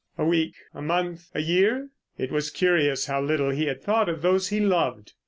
A week, a month, a year?—— It was curious how little he had thought of those he loved.